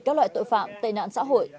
các loại tội phạm tệ nạn xã hội